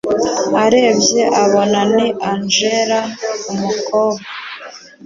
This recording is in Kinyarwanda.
arebye abona ni angella umukobwa